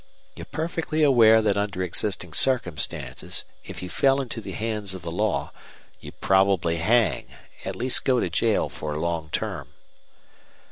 You're perfectly aware that under existing circumstances, if you fell into the hands of the law, you'd probably hang, at least go to jail for a long term."